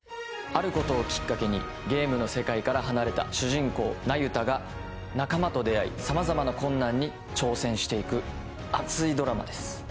あることをきっかけにゲームの世界から離れた主人公那由他が仲間と出会い様々な困難に挑戦していく熱いドラマです